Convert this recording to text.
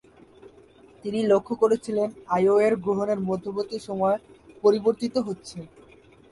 তিনি লক্ষ্য করেছিলেন, আইও-র গ্রহণের মধ্যবর্তী সময় পরিবর্তিত হচ্ছে।